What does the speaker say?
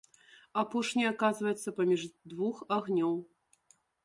Апошняя аказваецца паміж двух агнёў.